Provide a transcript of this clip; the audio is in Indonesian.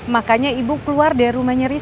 makanya ibu keluar dari rumahnya rizky